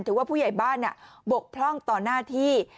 ผู้ใหญ่บ้านบกพร่องต่อหน้าที่